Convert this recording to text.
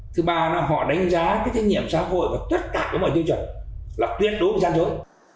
thứ ba là họ đánh giá cái thí nghiệm xã hội và tất cả các mọi chương trình là tuyệt đối với sản xuất